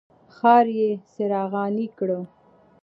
ښار یې څراغاني کړ.